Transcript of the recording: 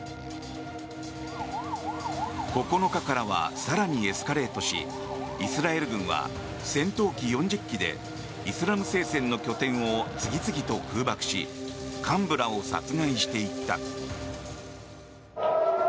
９日からは更にエスカレートしイスラエル軍は戦闘機４０機でイスラム聖戦の拠点を次々と空爆し幹部らを殺害していった。